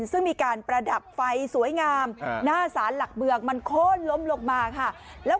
ซึ่งมีการประดับไฟสวยงามหน้าสารหลักเมืองมันโค้นล้มลงมาค่ะ